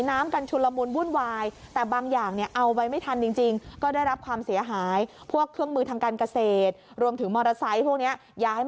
น้ำกันชูนรมมุนวุ่นวาย